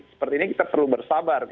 seperti ini kita perlu bersabar